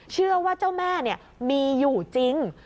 เชื่อว่าเจ้าแม่มีอยู่จริง